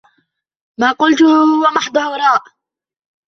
ما قلته هو محض هراء.